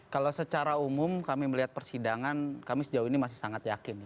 kalau secara umum kami melihat persidangan kami sejauh ini masih sangat yakin